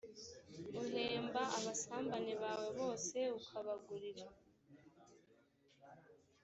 uhemba abasambane bawe bose ukabagurira